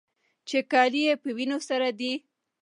چې کالي يې په وينو سره دي.